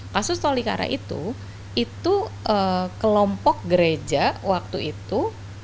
kasus tolikara itu itu kelompok gereja waktu itu